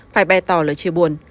phải bè tỏ lời chia buồn